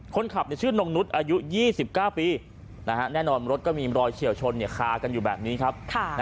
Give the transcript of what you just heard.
คนขับชื่อนงนุษย์อายุ๒๙ปีแน่นอนรถก็มีรอยเฉียวชนคากันอยู่แบบนี้ครับ